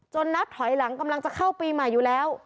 นับถอยหลังกำลังจะเข้าปีใหม่อยู่แล้ว